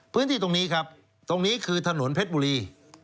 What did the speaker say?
พื้นที่ตรงนี้ครับตรงนี้คือถนนเพชรบุรี